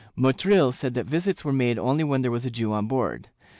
Motril said that visits were made only when there was a Jew on board.